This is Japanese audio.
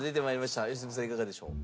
いかがでしょう？